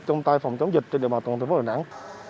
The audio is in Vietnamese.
trong tay phòng chống dịch trên địa bàn tổng thống phố hà nẵng